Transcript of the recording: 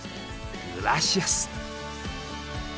グラシアス！